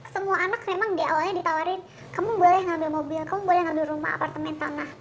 semua anak memang di awalnya ditawarin kamu boleh ngambil mobil kamu boleh ngambil rumah apartemen tanah